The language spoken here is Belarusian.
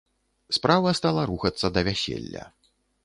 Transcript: Справа стала рухацца да вяселля.